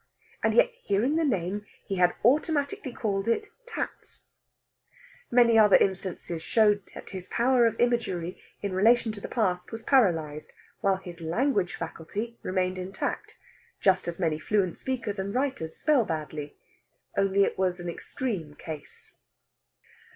And yet hearing the name, he had automatically called it "Tat's." Many other instances showed that his power of imagery, in relation to the past, was paralysed, while his language faculty remained intact, just as many fluent speakers and writers spell badly. Only it was an extreme case.